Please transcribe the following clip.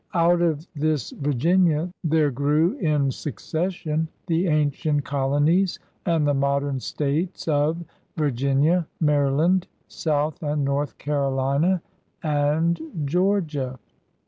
Out of this Virginia there grow in succession the ancient colonies and the modem States of Virginia, Maryland, South and North Carolina, and Georgia.